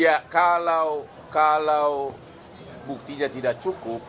ya kalau buktinya tidak cukup